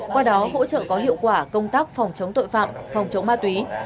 qua đó hỗ trợ có hiệu quả công tác phòng chống tội phạm phòng chống ma túy